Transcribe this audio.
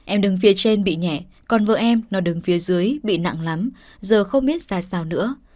em đứng phía trên bị nhẹ còn vợ em nó đứng phía dưới bị nặng lắm giờ không biết ra sao nữa